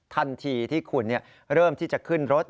ทันทีที่คุณเริ่มที่จะขึ้นรถ